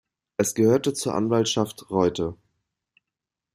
Es gehörte zur Anwaltschaft "Reutte".